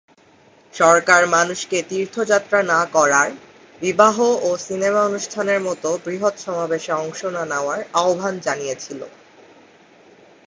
সরকার মানুষকে তীর্থযাত্রা না করার, বিবাহ ও সিনেমা অনুষ্ঠানের মতো বৃহৎ সমাবেশে অংশ না নেওয়ার আহ্বান জানিয়েছিল।